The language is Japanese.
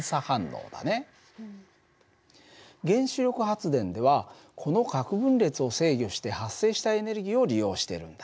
これが原子力発電ではこの核分裂を制御して発生したエネルギーを利用してるんだ。